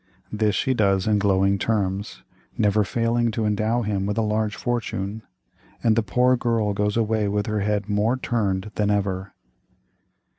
This she does in glowing terms; never failing to endow him with a large fortune; and the poor girl goes away with her head more turned than ever."